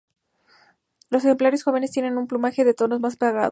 Los ejemplares jóvenes tienen un plumaje de tonos más apagados.